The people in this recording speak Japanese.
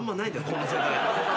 この世代。